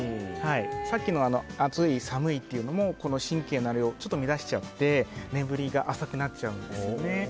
さっきの暑い、寒いというのも神経のあれを乱しちゃって眠りが浅くなっちゃうんですよね。